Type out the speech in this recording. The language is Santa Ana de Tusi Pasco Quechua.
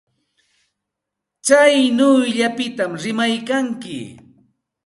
Tsaynawllapita rimaykanki.